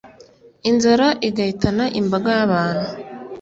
inzara igahitana imbaga y’abantu.